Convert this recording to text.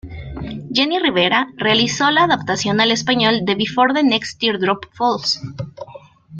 Jenni Rivera realizó la adaptación al español de "Before the next teardrop falls"